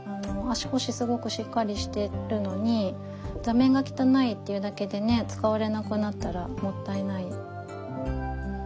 足腰すごくしっかりしてるのに座面が汚いっていうだけで使われなくなったらもったいない。